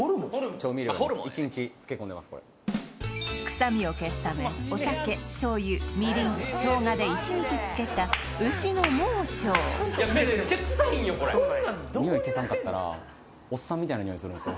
臭みを消すためお酒醤油みりんショウガで１日漬けた牛の盲腸めっちゃ臭いんよ